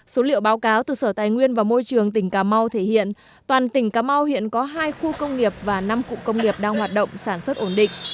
số liệu báo cáo từ sở tài nguyên và môi trường tỉnh cà mau thể hiện toàn tỉnh cà mau hiện có hai khu công nghiệp và năm cụm công nghiệp đang hoạt động sản xuất ổn định